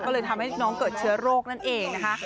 ก็เลยทำให้น้องเกิดเชื้อโรคนั่นเองนะคะ